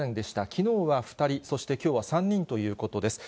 きのうは２人、そしてきょうは３人ということです。